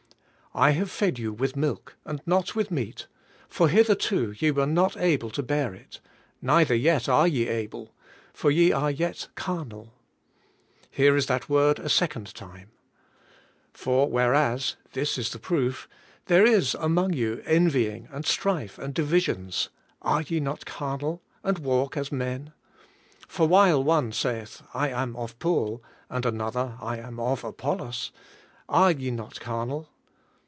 "I have fed you with milk, and not with meat, for hitherto ye were not able to bear it, neither yet are ye able, for ye are yet carnal." Here is that word a second time. "For whereas"— this is the proof — "there is among you envying, and strife, and divisions, are ye not carnal, and walk as men? For while one saith, I am of Paul, and another, I am of Apollos, are ye not carnal?"